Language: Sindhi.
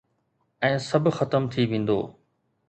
۽ سڀ ختم ٿي ويندو